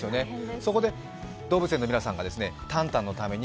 そこで、動物園の皆さんがタンタンのために